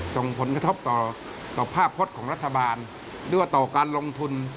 ส่งผลกระทบต่อภาพพรสของรัฐบาลด้วยต่อการลงทุน